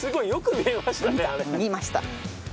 見ました。